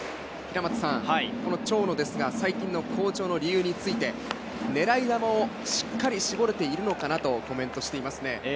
長野は最近の好調の理由について、狙い球をしっかり絞れているのかなとコメントしています。